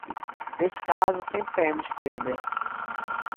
Nesse caso, sempre teremos que perder.